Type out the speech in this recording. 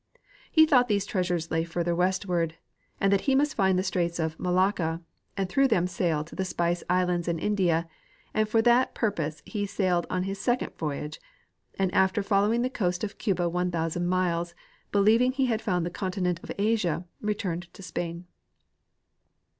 He thought these treasures lay further westward, and that he must find the straits of Malacca, and through them sail to the S^^ice islands and India, and for that purpose he sailed on his second voyage, and after following the coast of Cuba 1,000 miles, believ ing he had found the continent of Asia, returned to Spain.